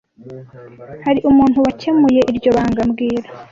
Hari umuntu wakemuye iryo banga mbwira